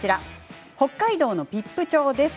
北海道の比布町です。